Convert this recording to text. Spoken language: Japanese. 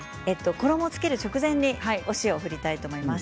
衣をつける直前にお塩を振りたいと思います。